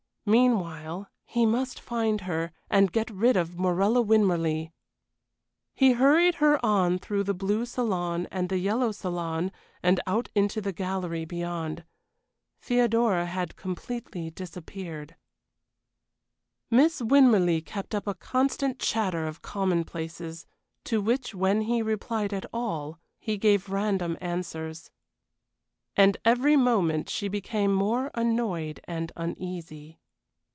Meanwhile, he must find her, and get rid of Morella Winmarleigh. He hurried her on through the blue salon and the yellow salon and out into the gallery beyond. Theodora had completely disappeared. Miss Winmarleigh kept up a constant chatter of commonplaces, to which, when he replied at all, he gave random answers. And every moment she became more annoyed and uneasy.